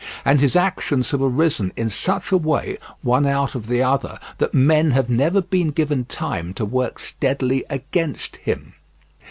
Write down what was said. And his actions have arisen in such a way, one out of the other, that men have never been given time to work steadily against him.